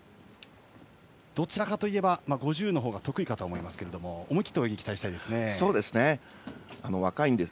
どちらかといえば５０のほうが得意かと思いますので思い切った泳ぎ、期待したいです。